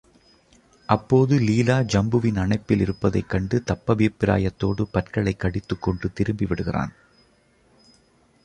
அப்போது லீலா ஜம்புவின் அணைப்பில் இருப்பதைக் கண்டு தப்பபிப்ராயத்தோடு பற்களைக் கடித்துக்கொண்டு திரும்பி விடுகிறான்.